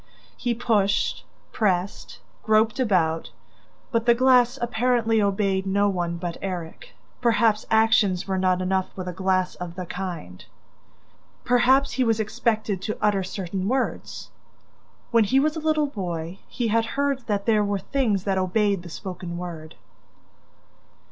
He pushed, pressed, groped about, but the glass apparently obeyed no one but Erik ... Perhaps actions were not enough with a glass of the kind? Perhaps he was expected to utter certain words? When he was a little boy, he had heard that there were things that obeyed the spoken word!